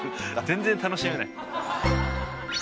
全然楽しめない。